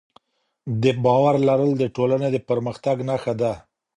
د باور لرل د ټولنې د پرمختګ نښه ده.